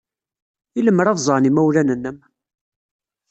I lemmer ad ẓren yimawlan-nnem?